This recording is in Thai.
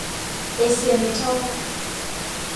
เอเซีย เมทัล